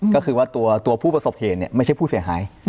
ก็คือว่าตัวผู้ประสบเหตุไม่ใช่ผู้เสียหาย